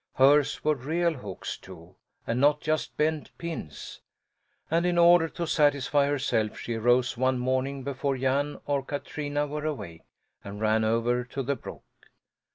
Hers were real hooks, too, and not just bent pins. And in order to satisfy herself she arose one morning before Jan or Katrina were awake, and ran over to the brook.